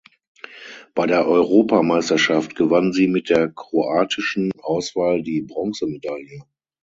Bei der Europameisterschaft gewann sie mit der kroatischen Auswahl die Bronzemedaille.